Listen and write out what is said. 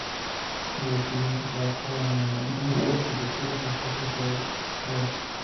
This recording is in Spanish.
De estudiante trabajó en el taller del arquitecto Francesc Folguera.